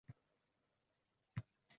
U yonimizda paydo bo‘ladi.